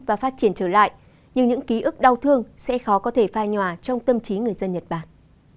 và phát triển trở lại nhưng những ký ức đau thương sẽ khó có thể phai nhòa trong tâm trí người dân nhật bản